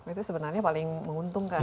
itu sebenarnya paling menguntungkan